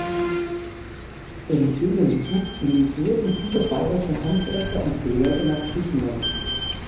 Im Gegenzug emigrierten viele bayerische Handwerker und Gelehrte nach Griechenland.